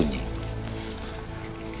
aku juga begitu